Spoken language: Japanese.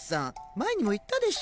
前にも言ったでしょ？